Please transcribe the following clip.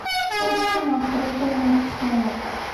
Ur ssineɣ kra n wayen ur tessineḍ.